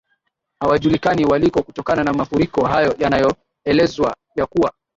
hawajulikani waliko kutokana na mafuriko hayo yanayoelezwa ya kuwa